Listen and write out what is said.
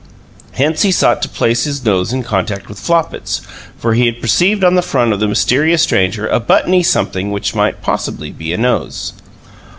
Hence he sought to place his nose in contact with Flopit's, for he had perceived on the front of the mysterious stranger a buttony something which might possibly be a nose.